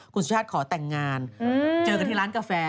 คุณสุชาติขอแต่งงานเจอกันที่ร้านกาแฟ